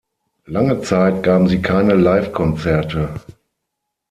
Lange Zeit gaben sie keine Livekonzerte.